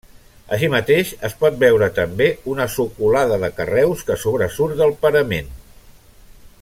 Així mateix es pot veure també una socolada de carreus que sobresurt del parament.